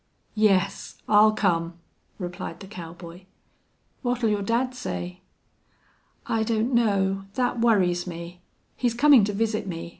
"Yes, I'll come," replied the cowboy. "What'll your dad say?" "I don't know. That worries me. He's coming to visit me.